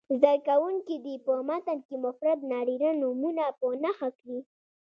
زده کوونکي دې په متن کې مفرد نارینه نومونه په نښه کړي.